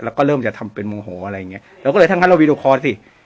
แล้วก็เริ่มจะทำเป็นโมโหอะไรอย่างเงี้ยเราก็เลยถ้างั้นเราวีดีโอคอร์สิ